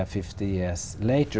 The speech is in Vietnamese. ở quốc gia việt nam